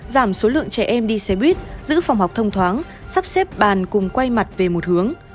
giảm số lượng trẻ em đi xe buýt giữ phòng học thông thoáng sắp xếp bàn cùng quay mặt về một hướng